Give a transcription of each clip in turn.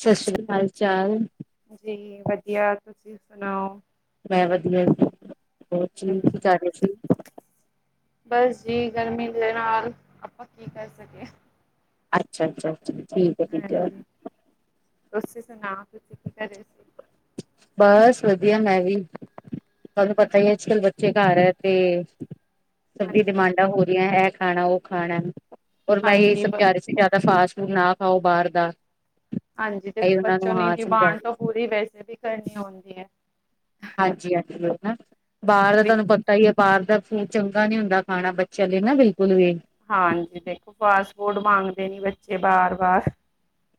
ਸ਼ਸ੍ਰੀ ਕਾਲ, ਹਾਲ ਚਾਲ ਜੀ ਵਧੀਆਂ, ਤੁਸੀਂ ਸੁਣਾਓ। ਮੈਂ ਵਧੀਆਂ ਜੀ, ਹੋਰ ਤੁਸੀਂ ਕੀ ਹਾਂਜੀ। ਕਰ ਰੇ। ਬਸ ਜੀ ਗਰਮੀ ਦੇ ਨਾਲ, ਆਪਾਂ ਕੀ ਕਰ ਸਕੇ। ਅੱਛਾ-ਅੱਛਾ-ਅੱਛਾ, ਅ ਠੀਕ ਐ ਠੀਕ ਐ। ਹਾਂਜੀ ਤੁਸੀਂ ਸੁਣਾਓ, ਤੁਸੀਂ ਕੀ ਕਰ ਰਏ ਸੀ। ਬਸ ਵਧੀਆਂ ਮੈਂ ਵੀ। ਤੁਹਾਂਨੂੰ ਪਤਾ ਈ ਐ, ਅੱਜ-ਕੱਲ ਬੱਚੇ ਘਰ ਐ ਤੇ ਸਬ ਦੀ ਹਾਂਜੀ। ਡਿਮਾਂਡਾਂ ਹੋ ਏਹ ਖਾਣਾ- ਉਹ ਖਾਣਾ ਐਂ, ਔਰ ਮੈਂ ਏਹੀ ਹਾਂਜੀ ਬ ਸਮਝਾ ਰਈ ਸੀ ਜਿਆਦਾ ਫਾਸਟ ਫੂਡ ਨਾ ਖਾਓ ਬਾਹਰ ਦਾ ਹਾਂਜੀ, ਦੇਖੋ ਇਹ ਉਹਨਾਂ ਬੱਚੋਂ ਨੂੰ ਨੀ ਹਾਂ ਸਮਝਾ ਡਿਮਾਂਡ ਰਹੀ ਤੋਂ ਸੀ ਪੂਰੀ ਵੈਸੇ ਵੀ ਕਰਨੀ ਹੁੰਦੀ ਐ। ਹਾਂਜੀ-ਹਾਂਜੀ ਲੋਕ ਨਾ, ਬਾਹਰ ਦਾ ਤੁਹਾਂਨੂੰ ਪਤਾ ਈ ਐ, ਬਾਹਰ ਦਾ ਫੂਡ ਚੰਗਾ ਨੀ ਹੁੰਦਾ ਖਾਣਾਂ ਬੱਚਿਆਂ ਲਈ ਨਾ ਬਿਲਕੁਲ ਵੀ। ਹਾਂਜੀ, ਦੇਖੋ ਫਾਸਟ-ਫੂਡ ਮੰਗਦੇ ਨੀ ਬੱਚੇ ਬਾਹਰ।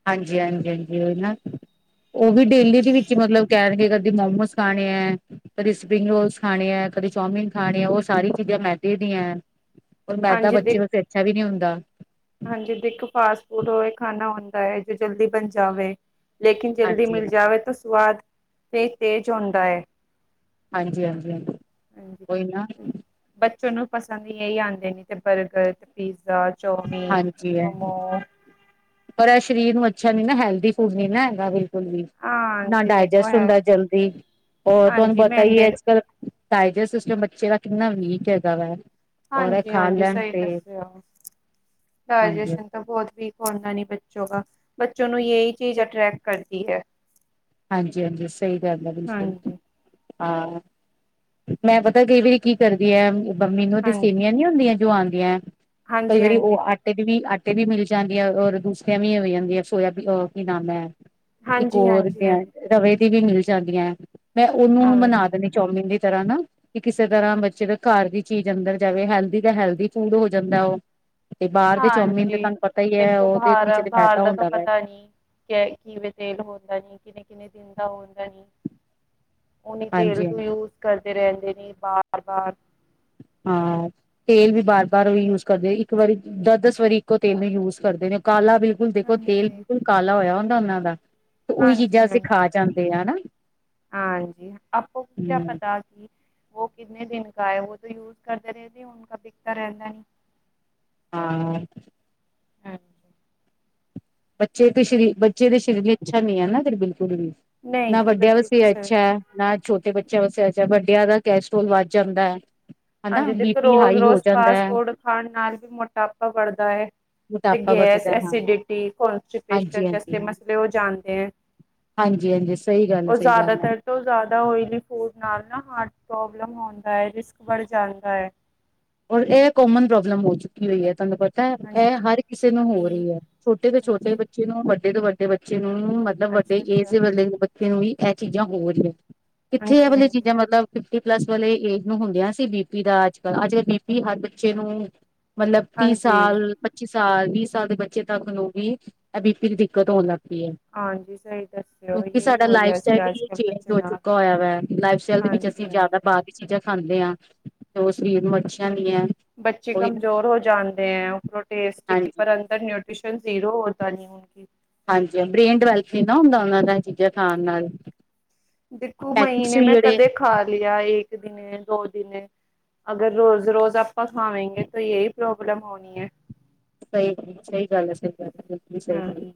ਹਾਂਜੀ-ਹਾਂਜੀ-ਹਾਂਜੀ, ਓ ਨਾ। ਉਹ ਵੀ ਡੇਲੀ ਦੇ ਵਿੱਚ ਮਤਲਬ ਕਹਿਣਗੇ, ਕਦੀ ਮੋਮੋਸ ਖਾਣੇ ਐਂ। ਕਦੇ ਸਪਰਿੰਗ ਰੋਲਸ ਖਾਣੇ ਐਂ, ਕਦੇ ਚੌਮਿਨ ਖਾਣੇ ਐਂ, ਉਹ ਸਾਰੀ ਚੀਜ਼ਾਂ ਮੈਦੇ ਦੀਆਂ ਐਂ। ਔਰ ਮੈਂਦਾ ਹਾਂਜੀ ਬੱਚੇ ਦੇਖ ਵਾਸਤੇ ਅੱਛਾ ਵੀ ਨੀਂ ਹੁੰਦਾ ਹਾਂਜੀ ਦੇਖੋ ਫਾਸਟ ਫੂਡ ਓਹੇ ਖਾਣਾ ਹੁੰਦਾ ਐ, ਜੋ ਜਲਦੀ ਬਣ ਜਾਵੇ ਲੇਕਿਨ ਜਲਦੀ ਹਾਂਜੀ ਮਿਲ ਹਾਂਜੀ ਜਾਵੇ ਤੇ ਸਵਾਦ ਤੇ ਤੇਜ਼ ਹੁੰਦਾ ਏਂ। ਹਾਂਜੀ- ਹਾਂਜੀ -ਹਾਂਜੀ ਓਈ ਨਾ। ਬੱਚੇ ਨੂੰ ਪਸੰਦ ਏਹੀ ਆਦੇ ਨੇ, ਤੇ ਬਰਗਰ ਤੇ ਪੀਜ਼ਾ ਚੋ ਫ਼ੇਰ, ਹਾਂਜੀ ਹਾਂਜੀ ਮੰਮਾ ਪਰ ਐਹ ਸ਼ਰੀਰ ਨੂੰ ਅੱਛਾ ਨੀ, ਨਾ ਹੈਲਦੀ ਫੂਡਜ ਨੀ ਨਾ ਹੈਗਾ ਵੇ ਨਾ ਹਾਂਜੀ ਦੇਖੋ ਡਾਇਜੈਸਟ ਹੈ ਹੁੰਦਾਂ ਜਲਦੀ, ਔਰ ਤੁਹਾਂਨੂੰ ਹਾਂਜੀ ਪਤਾ ਹੀ ਮਹਿੰਦੇ ਨੇ। ਅੱਜ ਕੱਲ ਟਾਈਗਰ ਸਿਸਟਮ ਬੱਚੇ ਦਾ ਕਿੰਨਾ ਵੀਕ ਹੈਗਾ ਵੈ। ਹਾਂਜੀ-ਹਾਂਜੀ ਸਈ ਦੱਸਿਆ ਹਾਂਜੀ ਡਾਇਜੈਸ਼ਨ ਹਾਂਜੀ ਤਾਂ ਬੋਹਤ ਵੀਕ ਹੁੰਦਾ ਨੀ ਬੱਚੋ ਕਾ ਬੱਚੋ ਨੂੰ ਯੇਈ ਚੀਜ਼ ਅਟਰ੍ਰੈਕਟ ਕਰਤੀ ਹੈ। ਹਾਂਜੀ-ਹਾਂਜੀ ਸਈ ਗੱਲ ਐ ਬਿਲਕੁਲ ਹਾਂਜੀ ਹਾਂ ਮੈਂ ਪਤਾ ਕਈ ਵਾਰੀ ਕੀ ਕਰਦੀ ਆ ਮੰਮੀ ਨੂੰ ਤੇ ਹਾਂਜੀ ਸੇਮੀ ਆਂ ਨੀ ਹੁੰਦੀਆਂ ਜੋ ਆਦੀਆਂ ਕਈ ਹਾਂਜੀ ਹਾਂਜੀ ਵਾਰੀ ਓ ਆਟ ਆਟੇ ਦੀ ਵੀ ਆਟੇ ਵੀ ਮਿਲ ਜਾਂਦੀ ਐ ਔਰ ਦੂਸਰਿਆਂ ਵੀ ਹੋ ਜਾਂਦੀਆ ਸੋਯਾ ਬੀ ਕੀ ਨਾਮ ਐ ਤੇ ਇੱਕ ਹਾਂਜੀ ਔਰ ਹਾਂਜੀ ਰਵੇ ਦੀ ਵੀ ਮਿਲ ਜਾਂਦੀਆਂ ਮੈਂ ਓਨੂੰ ਬਨਾ ਹਾਂਜੀ ਦਿਣੀ ਚੌਮਿਨ ਦੀ ਤਰ੍ਹਾਂ ਨਾ ਕਿ ਕਿਸੇ ਤਰ੍ਹਾਂ ਹਾਂਜੀ ਬੱਚੇ ਦੇ ਘਰ ਦੀ ਚੀਜ਼ ਅੰਦਰ ਜਾਵੇ ਹੈਲਦੀ ਦਾ ਹੈਲਦੀ ਫੂਡ ਹੋ ਜਾਂਦਾ ਓ ਤੇ ਬਾਰ ਦੇ ਚੌਮੀਨ ਤੇ ਹਾਂਜੀ ਤਾਨੂੰ ਪਤਾ ਈ ਐ ਦੇਖੋ ਓਦੇ ਵਿੱਚ ਤੇ ਮੈਦਾ ਹੁੰਦਾ ਵੈ। ਕੈ ਕਿਵੇਂ ਤੇਲ ਹੋਦਾ ਜੀ ਕਿੰਨੇ-ਕਿੰਨੇ ਦਿਨ ਦਾ ਹੋਂਦਾ ਓਨੀ ਤੇਲ ਹਾਂਜੀ ਤੋਂ ਹਾਂਜੀ ਯੂਜ ਕਰਦੇ ਰੈਂਦੇ ਨੇ ਬਾਰ-ਬਾਰ। ਹਾਂ। ਤੇਲ ਵੀ ਬਾਰ-ਬਾਰ ਓ ਯੂਜ ਕਰਦੇ ਇੱਕ ਵਾਰੀ ਦਸ-ਦਸ ਵਾਰੀ ਇੱਕੋ ਤੇਲ ਨੂੰ ਯੂਜ ਕਰਦੇ ਨੇ ਕਾਲਾ ਵੀ ਹੁਨ ਦੇਖੋ ਤੇਲ ਹਾਂਜੀ। ਬਿਲਕੁਲ ਕਾਲਾ ਹੋਇਆ ਹੁੰਦਾ ਓਨਾਂ ਦਾ ਤੇ ਓਈ ਚੀਜ਼ਾਂ ਅਸੀਂ ਹਾਂਜੀ-ਹਾਂਜੀ, ਖਾ ਜਾਂਦੇ ਆ ਹੈਨਾ। ਹਾਂਜੀ ਆਪਕੋ ਕਯਾ ਪਤਾ ਕੀ ਵੋ ਕਿੰਤਨੇ ਦਿਨ ਕਾ ਐ ਵੋ ਤੋ ਯੂਜ ਕਰਤੇ ਰੈਤੇ ਉਨਕਾ ਬਿਕਤਾ ਰੈਤਾ। ਹਾਂ। ਹਾਂਜੀ। ਨਹੀਂ। ਬੱਚੇ ਤੇ ਸਰੀਰ ਬੱਚੇ ਦੇ ਸਰੀਰ ਲਈ ਅੱਛਾ ਨੀ ਐ ਨਾ ਫੇਰ ਬਿਲਕੁਲ ਵੀ। ਨਹੀਂ ਨਾ ਜੀ ਵੱਡਿਆ ਬੱਚੇ ਵਾਸੇ ਤਾਂ ਏ ਸਹੀ ਅੱਛਾ ਨਾ ਛੋਟੇ ਬੱਚਿਆਂ ਵਾਸਤੇ ਅੱਛਾ ਵੱਡਿਆਂ ਦਾ ਕੈਸਟੋਰਲ ਵੱਧ ਜਾਂਦਾ। ਹਨਾ ਹਾਂਜੀ ਬੀ ਦੇਖੋ ਪੀ ਹਾਈ ਹੋ ਰੋਜ਼-ਰੋਜ਼ ਜਾਂਦਾ ਫਾਸਟ ਹੈ ਫੂਡ ਖਾਣ ਨਾਲ ਵੀ ਮੋਟਾਪਾ ਬੜਦਾ ਏ। ਤੇ ਮੋਟਾਪਾ ਗੈਸ ਵੱਧਦਾ ਹੈ, ਹਾਂ ਐਸੀ ਡੀਟੀ ਹੋਰ ਜੇ ਪੇਸ਼ ਹਾਂਜੀ ਕਸ-ਕਸ ਕੇ ਹਾਂਜੀ ਮਸਲੇ ਓ ਜਾਣਦੇ ਐ ਹਾਂਜੀ ਹਾਂਜੀ ਸਹੀ ਗੱਲ ਹੈ ਔਰ ਸਹੀ ਗੱਲ ਹੈ ਜਾਦਾਤਰ ਤੋਂ ਜਾਦਾ ਓਇਲੀ ਫੂਡ ਨਾਲ ਨਾ ਹਾਰਟ ਪ੍ਰੋਬਲਮ ਹੁੰਂਦਾ ਏ ਰਿਸਕ ਵਧ ਜਾਂਦਾ ਏ। ਔਰ ਏ ਕੋਮਨ ਪ੍ਰੋਬਲਮ ਹੋ ਚੁੱਕੀ ਹੋਈ ਐ ਤੁਆਨੂੰ ਪਤ ਤਾਂ ਐ ਹਰ ਕਿਸੇ ਨੂੰ ਹੋ ਹਾਂਜੀ, ਰਹੀ ਐ ਛੋਟੇ ਤੋਂ ਹਾਂਜੀ। ਛੋਟੇ ਬੱਚੇ ਨੂੰ ਵੱਡੇ ਤੋਂ ਵੱਡੇ ਬੱਚੇ ਨੂੰ ਮ ਮਤਲਬ ਵੱਡੇ ਅੱਛਾ ਅੱਛਾ ਏਜ ਵੇਲੇ ਬੱਚੇ ਨੂੰ ਵੀ ਐ ਚੀਜ਼ਾਂ ਹੋਰੀ ਕਿੱਥੇ ਐ ਹਾਂਜੀ ਵਾਲੀ ਹਾਂਜੀ ਚੀਜ਼ਾਂ ਮਤਲਬ ਫਿਫਟੀ ਪਲੱਸ ਵਾਲੇ ਏਜ ਨੂੰ ਹੁੰਦਿਆਂ ਸੀ ਬੀਪੀ ਦਾ ਅੱਜ- ਕੱਲ ਅੱਜ-ਕੱਲ ਬੀਪੀ ਹਰ ਬੱਚੇ ਨੂੰ ਮਤਲਬ ਤੀ ਹਾਂਜੀ ਸਾਲ ਪ ਚੀ ਸਾਲ ਵੀਹ ਸਾਲ ਦੇ ਬੱਚੇ ਤੱਕ ਨੂੰ ਵੀ ਐ ਬੀ ਪੀ ਦੀ ਦਿੱਕਤ ਹੋਣ ਲੱਗ ਪਈ ਐ। ਹਾਂਜੀ ਸਹੀ ਦੱਸਿਓ ਕਿਉਂਕਿ ਯਹੀ ਸਾਡਾ ਹੋ ਲਾਈਫ ਰਿਹਾ ਸੀ ਸਟਾਈਲ ਅੱਜ ਈ ਕੱਲ੍ਹ ਚੇਂਜ ਬੱਚੇ ਹੋ ਨਾਲ ਚੁੱਕਾ ਹੋਇਆ ਵੈ ਲਾਈਫ ਸਟਾਈਲ ਦੇ ਵਿੱਚ ਅਸ ਹਾਂਜੀ ਅਸੀਂ ਜਾਦਾ ਹਾਂਜੀ ਬਾਹਰ ਦੀ ਚੀਜ਼ਾਂ ਖਾਂਦੇ ਆਂ ਤੇ ਓ ਸਰੀਰ ਨੂੰ ਅੱਛੀਆਂ ਨੀ ਐ। ਬੱਚੇ ਕਮਜ਼ੋਰ ਹੋ ਜਾਂਦੇ ਐ ਉਪਰੋਂ ਟੇਸਟੀ ਹਾਂਜੀ ਪਰ ਅੰਦਰ ਨਿਊ ਟਰਿਸ਼ਨ ਜ਼ੀਰੋ ਹੋਦਾ ਨੀ ਹੁਣ ਕਿ ਹਾਂਜੀ-ਹਾਂਜੀ ਬ੍ਰੇਨ ਡਵੈਲਪ ਨੀ ਨਾ ਹੁੰਦਾ ਓਨਾਂ ਦਾ ਐ ਚੀਜ਼ਾਂ ਖਾਣ ਨਾਲ। ਐ ਪੈਕਟਸ ਸੀ ਜੇਹੜੇ ਖਾ ਲਿਯਾ ਏਕ ਦਿਨੇ-ਦੋ ਦਿਨੇ ਅਗਰ ਰੋਜ਼-ਰੋਜ਼ ਆਪਾਂ ਖਾਵੇਂਗੇ ਤੋ ਯੇਈ ਪ੍ਰੋਬਲਮ ਹੋਣੀ ਐ। ਸਈ ਗੱਲ ਐ, ਸਈ ਗੱਲ ਐ, ਸਈ ਗੱਲ ਐ ਸਈ ਹ,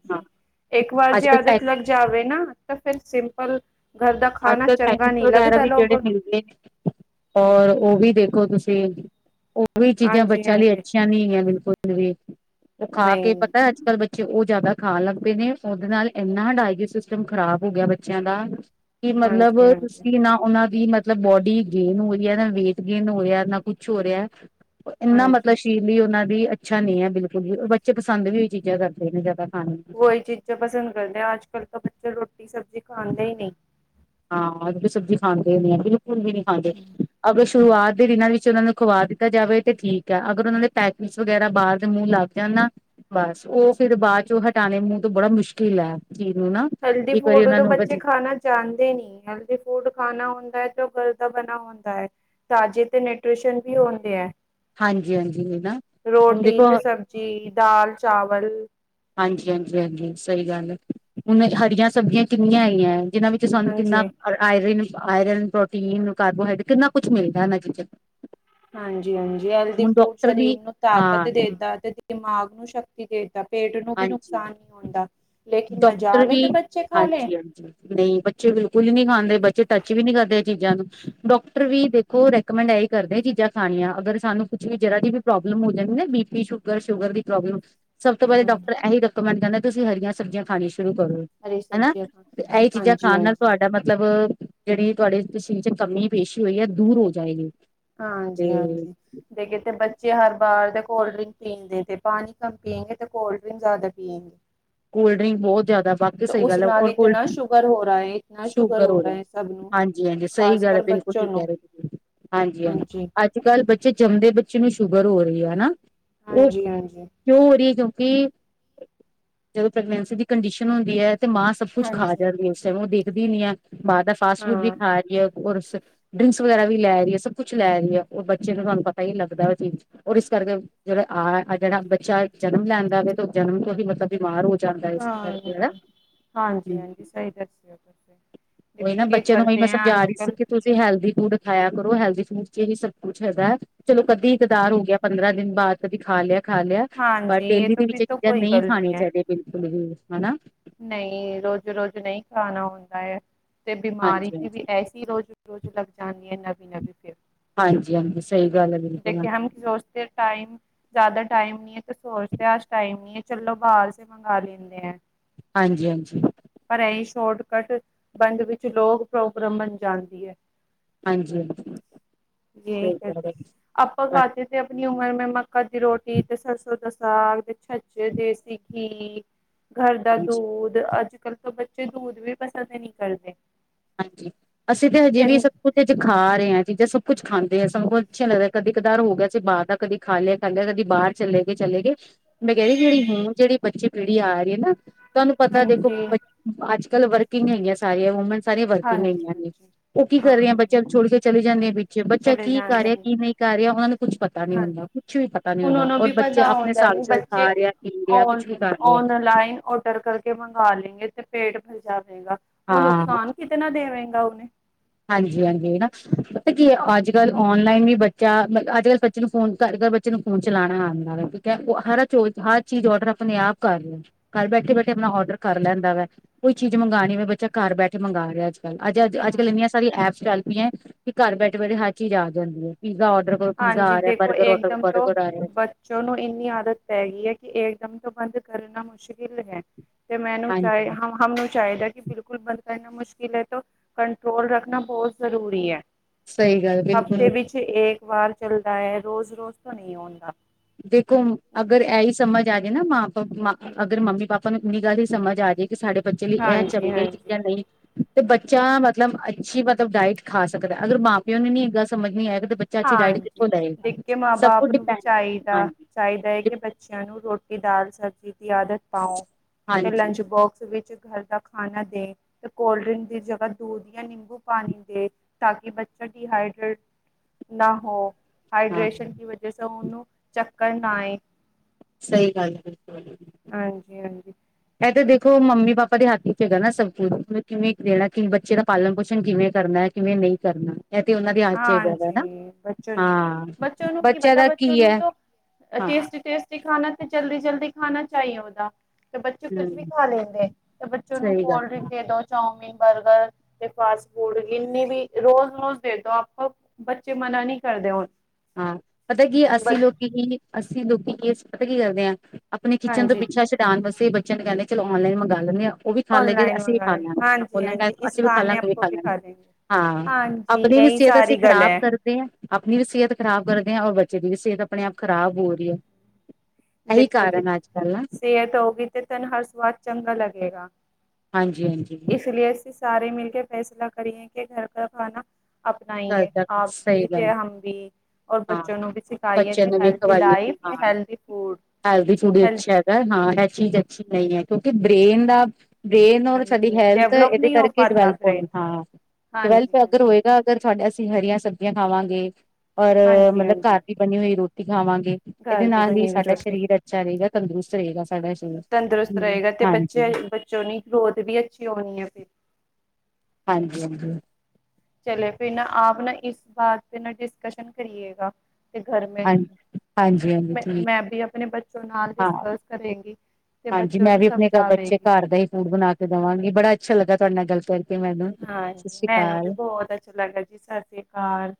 ਇੱਕ ਵਾਰ ਜੇ ਕੱਲ ਪੈ ਆਦਤ ਲੱਗ ਜਾਵੇ ਨਾ ਤਾਂ ਫਿਰ ਸਿੰਪਲ ਘਰ ਦਾ ਖਾਣਾ ਅੱਜ-ਕੱਲ ਚੰਗਾ ਪੈਕੇਟਿਸ ਨਹੀਂ ਵਗੈਰਾ ਲੱਗਦਾ ਵੀ ਕੇੜੇ ਲੋਗੋ ਨੂੰ ਠੀਕ ਨੇ। ਔਰ ਓ ਵੀ ਦੇਖੋ ਤੁਸੀਂ- ਓ ਵੀ ਚੀਜ਼ਾਂ ਹਾਂਜੀ ਬੱਚਿਆਂ ਲਈ ਹਾਂਜੀ ਅੱਛੀਆਂ ਨੀ ਹੈਗੀਆ ਬਿਲਕੁਲ ਵੀ ਓ ਖਾ ਕੇ ਨਹੀਂ ਪਤਾ ਅੱਜ-ਕੱਲ ਬੱਚੇ ਓ ਜ਼ਿਆਦਾ ਖਾਣ ਲੱਗ ਪਏ ਨੇ, ਓਦੇ ਨਾਲ ਐਨਾ ਡਾਇਜੀ ਸਿਸਟਮ ਖ਼ਰਾਬ ਹੋ ਗਿਆ ਬੱਚਿਆਂ ਦਾ। ਕਿ ਮਤਲਬ ਹਾਂਜੀ ਅ ਹਾਂਜੀ ਤੁਸੀਂ ਨਾ ਓਨਾਂ ਦੀ ਮਤ ਮਤਲਬ ਬੋਡੀ ਗੇਨ ਹੋ ਰਹੀ ਐ, ਨਾ ਵੇਟ ਗੇਨ ਹੋ ਰਿਹਾ, ਨਾ ਕੁਛ ਹੋ ਰਿਹਾ ਔਰ ਐਨਾ ਮਤਲਬ ਹਾਂਜੀ ਸ ਲਈ ਓਨਾਂ ਦੀ ਅੱਛਾ ਨ‌ਈ ਅਐ ਬਿਲਕੁਲ ਵੀ। ਬੱਚੇ ਪਸੰਦ ਵੀ ਓਹੀ ਚੀਜ਼ਾਂ ਕਰਦੇ ਨੇ ਜ਼ਾਦਾ। ਓਹੀ ਚੀਜ਼ਾਂ ਪਸੰਦ ਕਰਦੇ ਨੇ ਅੱਜ-ਕੱਲ ਤਾਂ ਬੱਚਾ ਰੋਟੀ-ਸਬਜ਼ੀ ਖਾਂਦੇ ਈ ਨੀ। ਹਾਂ, ਅੱਜ ਤੇ ਸਬਜ਼ੀ ਖਾਂਦੇ ਈ ਨੀ ਆ ਬਿਲਕੁਲ ਵੀ ਨੀ ਖਾਂਦੇ। ਅਗਰ ਸ਼ੁਰੂਆਤ ਦੇ ਦਿਨਾਂ ਵਿੱਚ ਓਨਾਂ ਨੂੰ ਖਵਾ ਦਿੱਤਾ ਜਾਵੇ ਤੇ ਠੀਕ ਆ। ਅਗਰ ਓਨਾਂ ਦੇ ਪੈਕਸ ਵਗੈਰਾ ਬਾਹਰ ਦੇ ਮੂੰਹ ਲੱਗ ਜਾਣ ਨਾ, ਬਸ ਓ ਫਿਰ ਬਾਅਦ ਚੋ ਹਟਾਣੇ ਮੂੰਹ ਤੋਂ ਬੜਾ ਮੁਸ਼ਕਿਲ ਐ ਚੀਜ਼ ਨੂੰ ਨਾ। ਇੱਕ ਵਾਰੀ ਹੈਲਦੀ-ਫੂਡ ਉਹਨਾਂ ਤੋਂ ਨੂੰ ਬੱਚੇ ਖਾਣਾ ਚਾਦੇ ਈ ਨੀ ਹੈਲਦੀ ਫੂਡ ਖਾਣਾ ਹੁੰਦਾ ਐ ਤੇ ਓ ਕੱਲ ਦਾ ਬਣਾ ਹੁੰਦਾ ਐ। ਤਾਜ਼ੇ ਤੇ ਨਿਊਟ੍ਰਿਸ਼ਨ ਵੀ ਹੁੰਦੇ ਐ। ਹਾਂਜੀ-ਹਾਂਜੀ ਹਨਾ, ਹੁਣ ਦੇਖੋ ਜੀ ਦਾਲ, ਚਾਵਲ। ਹਾਂਜੀ-ਹਾਂਜੀ-ਹਾਂਜੀ ਸਹੀ ਗੱਲ ਏ, ਹੁਣ ਹਰੀਆਂ ਸਬਜ਼ੀਆਂ ਕਿੰਨੀਆਂ ਹੈਗੀਆ ਆ। ਜਿਨਾਂ ਵਿੱਚ ਸਾਨੂੰ ਹਾਂਜੀ ਕਿੰਨਾ ਔਰ ਆਇਰਨ, ਆਇਰਨ, ਪ੍ਰੋਟੀਨ, ਕਾਰਬੋਹਾਈਡਟ ਕਿੰਨਾ ਕੁਛ ਮਿਲਦਾ ਏਹਨਾ ਚੀਜ਼ਾਂ ਚ। ਹਾਂਜੀ-ਹਾਂਜੀ ਹੈਲਦੀ ਫੂਡ ਵੀ ਸਰੀਰ ਨੂੰ ਹਾਂ ਤਾਕਤ ਦੇਦਾ ਤੇ ਦਿਮਾਗ ਨੂੰ ਸ਼ਕਤੀ ਦੇਦਾ। ਪੇਟ ਨੂੰ ਵੀ ਹਾਂਜੀ ਨੁਕਸਾਨ ਨੀ ਹੁੰਦਾ ਲੇਕਿਨ ਮਜ਼ਾਲ ਏ ਤੇ ਬੱਚੇ ਖਾ ਲੇ। ਨ‌ਈ ਬੱਚੇ ਬਿਲਕੁਲ ਹੀ ਨੀ ਖਾਂਦੇ ਬੱਚੇ ਟੱਚ ਵੀ ਨੀ ਕਰਦੇ ਐਹ ਚੀਜ਼ਾਂ ਨੂੰ, ਡੋਕਟਰ ਵੀ ਦੇਖੋ ਰੈ ਰੈਕਮੈਂਡ ਐਹੀ ਕਰਦੇ ਚੀਜ਼ਾਂ ਖਾਣੀਆਂ ਅਗਰ ਸਾਨੂੰ ਕੁਛ ਵੀ ਜ਼ਰਾ ਜੀ ਵੀ ਪ੍ਰੋਬਲਮ ਹੋ ਜਾਏ ਨਾ ਬੀਪੀ, ਸ਼ੂਗਰ, ਸ਼ੂਗਰ ਦੀ ਪ੍ਰੋਬਲਮ ਸਭ ਤੋਂ ਪਹਿਲੇ ਡਾਕਟਰ ਹਾਂਜੀ, ਐਹੀ ਰਿਕੋਮੈਂਡ ਕਰਦਾ ਤੁਸੀਂ ਹਰੀਆਂ ਸਬਜ਼ੀਆਂ ਖਾਣੀ ਸ਼ੁਰੂ ਕਰੋ। ਹਰੀ ਹਨਾ, ਸਬਜ਼ੀਆਂ ਖਾ ਤੇ ਐਹੀ ਚੀਜ਼ਾਂ ਹਾਂਜੀ ਖਾਣ ਨਾਲ ਹਾਂਜੀ ਤੁਹਾਡਾ ਮਤ ਮਤਲਬ ਜਿਹੜੀ ਤੁਹਾਡੇ ਸਰੀਰ ਚ ਕਮੀ ਪੇਸ਼ੀ ਹੋਈ ਐ ਦੂਰ ਹੋ ਜਾਏਗੀ। ਤੇ ਹਾਂਜੀ-ਹਾਂਜੀ। ਲੇਕਿਨ ਤੇ ਬੱਚੇ ਹਰ ਬਾਰ ਦੇ ਕੋਲਡ-ਡਰਿੰਕ ਪੀਂਦੇ ਤੇ ਪਾਣੀ ਕੰਮ ਪੀਗੇ ਤੇ ਕੋਲਡ-ਡਰਿੰਕ ਜ਼ਿਆਦਾ ਪੀਏਗੇ। ਕੋਲਡ ਡਰਿੰਕ ਬਹੁਤ ਜ਼ਿਆਦਾ ਬਾਕੀ ਸਹੀ ਓਸ ਗੱਲ ਹੈ ਨਾਲ ਔਰ ਇਤਨਾ ਕੋਲਡ ਸ਼ੂਗਰ ਹੋ ਰਾ ਏ, ਇਤਨਾ ਸ਼ੂਗਰ ਹੋ ਰਾ ਏ। ਸਭ ਨੂੰ, ਹਾਂਜੀ ਖ਼ਾਸ ਕਰ ਬੱਚੋ ਨੂੰ। ਹਾਂਜੀ-ਹਾਂਜੀ, ਹਾਂਜੀ ਅੱਜ-ਕੱਲ ਬੱਚੇ ਜੰਮਦੇ ਬੱਚੇ ਨੂੰ ਸ਼ੂਗਰ ਹੋ ਰਹੀ ਐ, ਹੈਨਾ? ਏ ਹਾਂਜੀ ਹਾਂਜੀ ਕਿਉਂ ਹੋ ਰਹੀ ਐ ਕਿਉਂਕਿ ਜਦੋਂ ਪ੍ਰੈਗਨੈਂਸੀ ਦੀ ਕੰਡੀਸ਼ਨ ਹੁੰਦੀ ਐ ਤੇ ਮਾਂ ਸਭ ਕੁਝ ਖਾ ਹਾਂਜੀ ਜਾਂਦੀ ਐ ਓਸ ਟਾਈਮ। ਓ ਦੇਖਦੀ ਹੀ ਨੀ ਐ ਬਾਹਰ ਦਾ। ਫਾਸਟਫੂਡ ਵੀ ਹਾਂ ਖਾ ਰਹੀ ਐ ਔਰ ਸ ਡਰਿੰਕਸ ਵਗੈਰਾ ਵੀ ਲੈ ਰਹੀ ਐ ਸਭ ਕੁਛ ਲੈ ਰਹੀ ਐ। ਓ ਬੱਚੇ ਨੂੰ ਤੁਹਾਨੂੰ ਪਤਾ ਹੀ ਲੱਗਦਾ ਐ ਓ ਚੀਜ਼। ਔਰ ਇਸ ਕਰਕੇ ਜਿਹੜਾ ਆ ਜਿਹੜਾ ਬੱਚਾ ਜਨਮ ਲੈਂਦਾ ਵੇ ਤੇ ਓ ਜਨਮ ਤੋਂ ਹੀ ਮਤਲਬ ਬਿਮਾਰ ਹੋ ਜਾਂਦਾ ਹੈ ਇਸ ਕਰਕੇ ਹਾਂ ਹਾਂਜੀ-ਹਾਂਜੀ, ਸਹੀ ਦੱਸਿਓ ਤੁਸੀ। ਓਹੀ ਨਾ ਬੱਚਿਆਂ ਨੂੰ ਓਹੀ ਮੈਂ ਸਮਝਾ ਰਹੀ ਸੀ ਕਿ ਤੁਸੀਂ ਹੈਲਦੀ ਫੂਡ ਖਾਇਆ ਕਰੋ ਹੈਲਦੀ ਫੂਡ ਚ ਹੀ ਸਭ ਕੁਛ ਹੈਗਾ। ਚਲੋ ਕਦੀ ਕਦਾਰ ਹੋ ਗਿਆ, ਪੰਦਰਾਂ ਦਿਨ ਬਾਅਦ ਕਦੀ ਖਾ ਲਿਆ। ਖਾ ਲਿਆ ਪਰ ਹਾਂਜੀ ਡੇਲੀ ਤਾਂ ਦੇ ਵਿੱਚ ਫਿਰ ਇਹ ਤਾਂ ਚੀਜ਼ਾਂ ਕੋਈ ਨ‌ਈ ਗੱਲ ਖਾਣੀਆਂ ਚਾਹੀਦੀਆਂ ਬਿਲਕੁਲ ਵੀ, ਹਨਾ। ਨ‌ਈ ਰੋਜ਼-ਰੋਜ਼ ਨ‌ਈ ਖਾਣਾ ਹੁੰਦਾ ਐ, ਤੇ ਬਿਮਾਰੀ ਹਾਂਜੀ ਤੇ ਵੀ ਹਾਂਜੀ। ਐਸੀ ਕੀ ਰੋਜ਼-ਰੋਜ਼ ਲਗ ਜਾਂਦੀ ਐ ਨਵੀਂ-ਨਵੀ ਫਿਰ। ਹਾਂਜੀ-ਹਾਂਜੀ ਸਹੀ ਗੱਲ ਐ ਬਿਲਕੁਲ। ਸੋਚਤੇ ਟਾਈਮ ਜ਼ਿਆਦਾ ਟਾਈਮ ਨੀ ਐ, ਤੇ ਸੋਚਦੇ ਆ ਅੱਜ ਟਾਈਮ ਨੀ ਐ ਚਲੋ ਬਾਹਰ ਸੇ ਮੰਗਾ ਲੈਨੇ ਆ। ਹਾਂਜੀ-ਹਾਂਜੀ। ਪਰ ਐਈ ਸ਼ੋਰਟਕੱਟ ਬੰਦ ਵਿੱਚ ਲੋਕ ਪ੍ਰੋਗਰਮ ਬਣ ਜਾਦੀ ਐ। ਹਾਂਜੀ ਹਾਂਜੀ ਜੇਈ ਸਹੀ ਗੱਲ ਕਰਦੇ, ਹੈ। ਆਪਾਂ ਹਾਂਜੀ ਕਾਚ 'ਤੇ ਆਪਣੀ ਉਮਰ ਮੇ ਮੱਕਾਂ ਦੀ ਰੋਟੀ 'ਤੇ ਸਰਸੋਂ ਦਾ ਸਾਗ 'ਤੇ ਛੱਜੇ ਦੇਸੀ ਘੀ ਘਰ ਦਾ ਹਾਂਜੀ ਦੂਧ ਅੱਜ-ਕਲ ਤਾਂ ਬੱਚੇ ਦੂਧ ਵੀ ਪਸੰਦ ਨੀ ਕਰਦੇ। ਹਾਂਜੀ ਅਸੀਂ 'ਤੇ ਹਜੇ ਕਿ- ਵੀ ਸ ਕੁ ਤੇਜ ਖਾ ਰੇ ਆ ਚੀਜ਼ਾਂ ਸਭ ਕੁਛ ਖਾਂਦੇ ਆ ਸਾਨੂੰ ਅੱਛਾ ਲਗਦਾ ਕਦੀ ਕਦਾਰ ਹੋ ਗਿਆ ਅਸੀਂ ਬਾਰ ਦਾ ਕਦੀ ਖਾ ਲਿਆ, ਖਾ ਲਿਆ ਕਦੀ ਬਾਰ ਚਲੇ ਗੇ, ਚਲੇ ਗੇ ਮੈਂ ਕਹਿ ਰੀ ਕਿ ਜਿਹੜੀ ਹੁਣ ਜਿਹੜੀ ਬੱਚੀ ਪੀੜੀ ਆ ਰੀ ਏ ਨਾ ਤੁਹਾਨੂੰ ਪਤਾ ਦੇਖੋ ਹਾਂਜੀ ਬੱ ਅੱਜ-ਕੱਲ ਵਰਕਿੰਗ ਹੈਗੀਆਂ ਸਾਰੀਆਂ ਵੂਮਨਸ ਸਾਰੀਆਂ ਵਰਕਿੰਗ ਹਾਂਜੀ ਹੈਗੀਆਂ ਨੇ ਹਾਂਜੀ ਓ ਕੀ ਕਰ ਰੀਆ ਹਾਂਜੀ ਬੱਚਿਆਂ ਨੂੰ ਛੋੜ ਕੇ ਚਲੇ ਜਾਂਦੀ ਆ ਪਿੱਛੇ ਬੱਚਾ ਚਲੇ ਕੀ ਕਰ ਜਾਂਦੇ ਰੇ ਆ ਨੇ ਕੀ ਨਈ ਕਰ ਰੇਆ ਉਨਾਂ ਨੂੰ ਕੁੱਛ ਪਤਾ ਨੀ ਹਾਂਜੀ ਹੁੰਦਾ ਕੁਛ ਵੀ ਪਤਾ ਨੀ ਉਹਨਾਂ ਹੁੰਦਾ ਨੂੰ ਔਰ ਵੀ ਬੱਚਾ ਪਤਾ ਆਪਣੇ ਹੁੰਦਾ ਹਿਸਾਬ ਨੀ ਸਿਰ ਬੱਚੇ ਖਾ ਰਿਹਾ ਪੀ ਰਿਹਾ ਔਨ, ਕੁੱਛ ਵੀ ਕਰ ਰਿਹਾ ਔਨਲਾਈਨ ਔਡਰ ਕਰ ਮੰਗਾ ਲੇਗੇ 'ਤੇ ਪੇਟ ਫਲ ਜਾਵੇਗਾ ਓ ਹਾਂ ਨੁਕਸਾਨ ਕਿਤਨਾ ਦੇਵੇਗਾ ਉਨੇ। ਹਾਂਜੀ-ਹਾਂਜੀ ਹਨਾ ਪਤਾ ਕੀ ਐ ਅੱਜ-ਕੱਲ ਔਨਲਾਈਨ ਵੀ ਬੱਚਾ ਮਲ ਅੱਜ-ਕੱਲ ਬੱਚੇ ਨੂੰ ਫੋਨ ਘਰ-ਘਰ ਬੱ ਚੇ ਨੂੰ ਫੂਨ ਚਲਾਣਾ ਆਦਾ ਵਾ ਕੋਈ ਕੈ ਓ ਹਰ ਚੋਜ਼ ਹਰ ਚੀਜ਼ ਔਡਰ ਆਪਣੇ ਆਪ ਕਰ ਲੈ। ਘਰ ਬੈਠੇ-ਬੈਠੇ ਆਪਣਾ ਔਰਡਰ ਕਰ ਲੈਂਦਾ ਵਾ ਕੋਈ ਚੀਜ਼ ਮੰਗਾਣੀ ਵੇ ਬੱਚਾ ਘਰ ਬੈਠੇ ਮੰਗਾ ਰੇਆ ਅੱਜ ਕਲ ਅੱਜ-ਅੱਜ-ਅੱਜ-ਕੱਲ ਹਾਂਜੀ ਏਨੀਆਂ ਸਾਰ ਐਪਸ ਚੱਲ ਪੀ ਐ ਕਿ ਘਰ ਬੈਠੇ-ਬੈਠੇ ਹਰ ਚੀਜ਼ ਆ ਜਾਂਦੀ ਐ ਪੀਜ਼ਾ ਔਡਰ ਕਰੋ ਪੀਜ਼ਾ ਹਾਂਜੀ ਆ ਰੇਆ, ਬਰਗਰ ਔਡਰ ਬਰਗਰ ਆ ਰੇਆ। ਚਲੋ ਏਨੀ ਆਦਤ ਪੈਗੀ ਐ ਕਿ ਇਕਦਮ ਤੋਂ ਬੰਦ ਕਰਨਾ ਮੁਸ਼ਕਿਲ ਹੈ। 'ਤੇ ਮੈਨੂੰ ਚਾਈ ਹਾਂਜੀ ਹਮ-ਹਮ ਨੂੰ ਚਾਈਦਾ ਕਿ ਬਿਲ ਕੁੱਲ ਬੰਦ ਕਰਨਾ ਮੁਸ਼ਕਿਲ ਐ ਤੋਂ ਕੰਟਰੋਲ ਰੱਖਣਾ ਬੋ ਜ਼ਰੂਰੀ ਐ। ਸਹੀ ਗੱਲ ਬਿਲਕੁਲ ਹਫ਼ਤੇ ਵਿੱਚ ਏਕ ਵਾਰ ਚੱਲਦਾ ਐ ਰੋਜ਼-ਰੋਜ਼ ਤੋਂ ਨੀ ਹੁੰਦਾ। ਦੇਖੋ ਅਗਰ ਐਈ ਸਮਝ ਆ ਜੇ ਨਾ ਮਾਂ ਪ ਮਾਂ ਅਗਰ ਮੰਮੀ ਪਾਪਾ ਨੂੰ ਇੰਨੀ ਗੱਲ ਵੀ ਸਮਝ ਆ ਜੇ ਕਿ ਸਾਡੇ ਬੱਚੇ ਲਈ ਐ ਹਾਂਜੀ ਚੰਗੀਆ ਹਾਂਜੀ ਚੀਜ਼ਾਂ ਨਈ 'ਤੇ ਬੱਚਾ ਮਤਲਬ ਅੱਛੀ ਮਤਲਬ ਡਾਈਟ ਖਾ ਸਕਦਾ ਅਗਰ ਮਾਂ ਪਿਓ ਨੂੰ ਨੀ ਏ ਗੱਲ ਸਮਝ ਨੀ ਆਏਗਾ 'ਤੇ ਬੱ ਹਾਂਜੀ ਇਕ ਏ ਮਾਂ ਬਾਪ ਨੂੰ ਵੀ ਡਿਪੈਂਡ ਚਾਈ ਦਾ, ਹਾਂਜੀ ਚਾਈਦਾ ਐ ਕਿ ਬੱਚਿਆਂ ਨੂੰ ਰੋਟੀ, ਦਾਲ, ਸਬਜ਼ੀ ਦੀ ਆਦਤ ਪਾਓ 'ਤੇ ਹਾਂਜੀ ਲੰਚ ਬੋਕਸ ਵਿੱਚ ਘਰ ਦਾ ਖਾਣਾ ਦੇ 'ਤੇ ਕੋਲਡ ਡਰਿੰਕ ਦੀ ਜਗਾ ਦੂਧ ਜਾਂ ਨਿੰਬੂ ਪਾਣੀ ਦੇ ਤਾਂ ਕਿ ਬੱਚਾ ਡੀ ਹਾਈਡਰ ਨਾ ਹੋ ਹਾਂ ਹਾਈਡ੍ਰੇਸ਼ਨ ਕੀ ਵਜ ਸੇ ਉਨੂੰ ਚੱਕਰ ਨਾ ਆਏ। ਸਈ ਗੱਲ ਬਿਲਕੁੱਲ। ਹਾਂਜੀ-ਹਾਂਜੀ। ਐ 'ਤੇ ਦੇਖੋ ਮੰਮੀ ਪਾਪਾ ਦੇ ਹੱਥ ਵਿਚ ਹੈਗਾ ਨਾ ਸਭ ਕੁਝ ਕਿਵੇਂ ਦੇਣਾ ਕਿ ਬੱਚੇ ਦਾ ਪਾਲਣ ਪੋਸ਼ਣ ਕਿਵੇਂ ਕਰਨੈ ਕਿਵੇਂ ਨਈ ਕਰਨਾ। ਐ 'ਤੇ ਉਨਾਂ ਦੀ ਹੱਥ 'ਚ ਈ ਦੇ ਦੇਨਾ, ਹਾਂਜੀ ਬੱਚੋਂ ਨੂੰ ਹਾਂ ਬੱਚਿਆਂ ਦਾ ਕੀ ਐ ਟੇਸਟੀ-ਟੇਸਟੀ ਖਾਣਾ 'ਤੇ ਜਲਦੀ-ਜਲਦੀ ਖਾਣਾ ਚਾਈ ਉਦਾ। 'ਤੇ ਬੱਚੇ ਕੁੱਝ ਵੀ ਹਮ ਖਾ ਲੈਂਦੇ 'ਤੇ ਬੱਚੇ ਨੂੰ ਸਹੀ ਗੱਲ ਕੋਲਡ ਡਰਿੰਕ ਹੈ ਦੇ ਦੋ ਚੌਮਿਨ, ਬਰਗਰ 'ਤੇ ਫਾਸਟ ਫੂਡ ਜਿੰਨੀ ਵੀ ਰੋਜ਼-ਰੋਜ਼ ਦੇ ਦੋ ਆਪ ਬੱਚੇ ਮਨਾ ਨੀ ਕਰਦੇ ਹੁਣ। ਹਾਂ ਪਤਾ ਕੀ ਐ ਅੱਸੀ ਲੋਕੀ ਵੀ ਅੱਸੀ ਲੋਕੀ ਕੀ ਏ ਪਤਾ ਕੀ ਕਰਦੇ ਆ ਆਪਣੀ ਕਿਚਨ ਤੋਂ ਹਾਂਜੀ ਪਿੱਛਾ ਛਡਾਨ ਵਾਸੇ ਬੱਚਿਆਂ ਨੂੰ ਕਹਿੰਨੇ ਆ ਚਲੋ ਓਨਲਾਇਨ ਮੰਗਾ ਲੀਨੇ ਆ ਓ ਵੀ ਖਾ ਲੈ ਗੇਰ ਔਨਲਾਈਨ ਅਸੀਂ ਵੀ ਖਾ ਮੰਗਾਏ ਲੀਆ ਗੇ ਹਾਂਜੀ ਓਨਲਾਇਨ ਹਾਂਜੀ ਗ ਇਸ ਅਸੀਂ ਵੀ ਖਾ ਬਹਾਨੇ ਲਾਂਗੇ ਓ ਵੀ ਆਪਕੋ ਖਾ ਲੈਣਗੇ। ਲੇਂਗੇ ਹਾਂ ਹਾਂਜੀ ਆਪਣੀ ਵੀ ਇਹੀ ਸੇਤ ਅਸੀਂ ਸਾਰੀ ਗੱਲ ਖ਼ਰਾਬ ਹੈ ਕਰ ਦੇ ਆ ਆਪਣੀ ਵੀ ਸੇਅਤ ਖ਼ਰਾਬ ਕਰਦੇ ਆ ਔਰ ਬੱਚੇ ਦੀ ਵੀ ਸੇਤ ਆਪਣੇ ਆਪ ਖ਼ਰਾਬ ਹੋ ਰੀ ਐ। ਦੇਖੋ ਜੀ, ਸੇਅਤ ਹੋਗੀ 'ਤੇ ਤਿੰਨ ਹਰ ਸਵਾਦ ਚੰਗਾ ਲੱਗੇਗਾ। ਹਾਂਜੀ- ਹਾਂਜੀ। [unintelligible] ਇਸ ਲਈਸੀ ਸਾਰੇ ਮਿਲ ਕੇ ਫੈਸਲਾ ਕਰੀਏ ਕਿ ਘਰ ਕ ਖਾਨਾ ਘਰ ਅਪਣਾਈਏ ਦਾ ਆਪ ਸਹੀ ਵੀ ਤੇ ਗੱਲ ਹਮ ਵੀ ਔਰ ਹਾਂ ਬੱਚੇ ਨੂੰ ਵੀ ਸਿਖਾਈਏ ਬੱਚਿਆਂ ਤੇ ਨੂੰ ਵੀ ਹੈਲਥ ਖਵਾਈਏ ਲਾਈਫ ਤੇ ਹਾਂ ਹੈਲਦੀ ਫੂਡ ਹੈਲਦੀ ਫੂਡ ਵੀ ਹੈਲ ਅੱਛਾ ਹੈਗਾ ਹਾਂ ਇਹ ਚੀਜ਼ ਅੱਛੀ ਨਹੀਂ ਹੈ ਕਿਉਂਕਿ ਬ੍ਰੇਨ ਦਾ ਬ੍ਰੇਨ ਔਰ ਸਾਡੀ ਹਾਂਜੀ ਹੈਲਥ ਡਿਵਲਪ ਇਹਦੇ ਨਹੀਂ ਹੋ ਕਰਕੇ ਪਾਦਾ ਡਿਵੈਲਪ ਬ੍ਰੇਨ ਹੁੰਦੀ ਹਾਂ ਹਾਂਜੀ ਡਿਵੈਲਪ ਅਗਰ ਹਾਂਜੀ ਹੋਏਗਾ। ਅਗਰ ਤੁਹਾਡ ਅਸੀਂ ਹਰੀਆਂ ਸਬਜ਼ੀਆਂ ਖਾਵਾਂਗੇ, ਔਰ ਹਾਂਜੀ ਮਤਲਬ ਹਾਂਜੀ ਘਰ ਦੀ ਬਣੀ ਹੋਈ ਰੋਟੀ ਖਾਵਾਂਗੇ। ਘਰ ਇਹਦੇ ਦੀ ਨਾਲ ਹੀ ਬਣੀ ਹੋਈ ਸਾਡਾ ਰੋਟੀ ਸਰੀਰ ਅੱਛਾ ਰਹੇਗਾ ਤੰਦਰੁਸਤ ਰਹੇਗਾ ਸਾਡਾ ਸ਼ਰੀਰ ਹੂੰ ਹਾਂਜੀ। ਚੋਨੀ ਗਰੋਥ ਵੀ ਅੱਛੀ ਹੋਣੀ ਐ ਫੇਰ। ਹਾਂਜੀ- ਹਾਂਜੀ। ਚਲੇ ਫਿਰ ਨਾ ਆਪ ਨਾ ਇਸ ਬਾਤ ਤੇ ਨਾ ਡਿਸਕਸ਼ਨ ਕਰੀਏਗਾ। ਘਰ ਮੈਂ ਹਾਂਜੀ ਹਾਂਜੀ ਹਾਂਜੀ ਮ ਠੀਕ ਮੈਂ ਵੀ ਆਪਣੇ ਬੱਚੋਂ ਨਾਲ ਹਾਂ ਡਿਸਕਸ ਕਰੇਗੀ। ਤੇ ਹਾਂਜੀ ਬੱਚੋਂ ਮੈਂ ਨੂੰ ਵੀ ਆਪਣੇ ਬੱਚੇ ਸਮਝਾਵੇਗੀ ਘਰ ਦਾ ਹੀ ਫੂਡ ਬਣਾ ਕੇ ਦੇਵਾਂਗੀ ਬੜਾ ਅੱਛਾ ਲੱਗਾ ਤੁਹਾਡੇ ਨਾਲ ਗਲ ਕਰ ਹਾਂਜੀ, ਮੈਨੂੰ ਵੀ ਬਹੁਤ ਅੱਛਾ ਲੱਗਾ ਜੀ, ਸਤਿ ਸ੍ਰੀ ਅਕਾਲ।